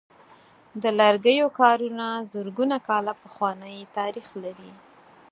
د لرګیو کارونه زرګونه کاله پخوانۍ تاریخ لري.